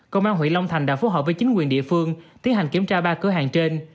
công an huyện long thành đã phối hợp với chính quyền địa phương tiến hành kiểm tra ba cửa hàng trên